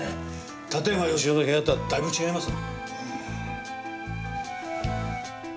館山義男の部屋とはだいぶ違いますね。